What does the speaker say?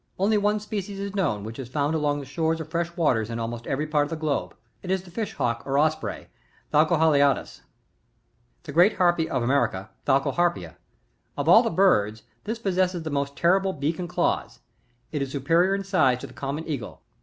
Only one species is known, which is found along the shores of fresh waters in almost every part of the globe. It is the Fish Hawk, or Osprey, — Fako halicBtus, 49. The Great Harpy of ^mericGt — Falco harpyia, — Of all birds, this possesses the most terrific beak and claws ; it is supe rior in size to the common eagle.